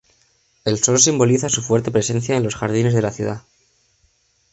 El sol simboliza su fuerte presencia en los jardines de la ciudad.